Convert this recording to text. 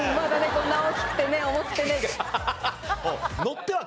こんな大きくてね重くてね。